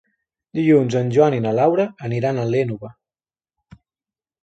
Dilluns en Joan i na Laura aniran a l'Énova.